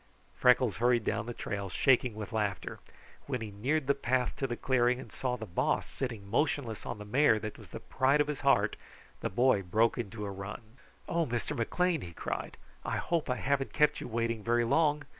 Freckles hurried down the trail, shaking with laughter. When he neared the path to the clearing and saw the Boss sitting motionless on the mare that was the pride of his heart, the boy broke into a run. "Oh, Mr. McLean!" he cried. "I hope I haven't kept you waiting very long!